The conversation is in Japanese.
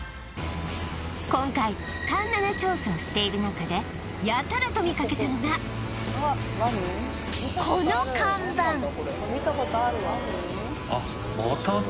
今回環七調査をしている中でやたらと見かけたのがへ